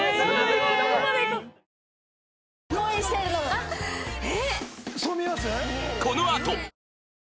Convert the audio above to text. あっ！！！え？？